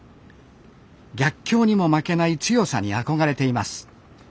逆境にも負けない強さに憧れています